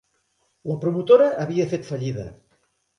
La promotora havia fet fallida.